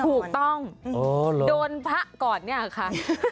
ถูกต้องโดนพระก่อนเนี่ยค่ะ